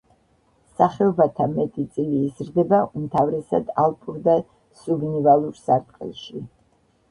სახეობათა მეტი წილი იზრდება უმთავრესად ალპურ და სუბნივალურ სარტყელში.